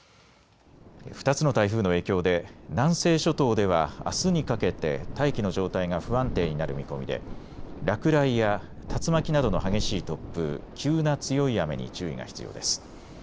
２つの台風の影響で南西諸島ではあすにかけて大気の状態が不安定になる見込みで落雷や竜巻などの激しい突風、急な強い雨に注意が必要です。